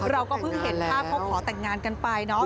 เราก็เพิ่งเห็นภาพเขาขอแต่งงานกันไปเนาะ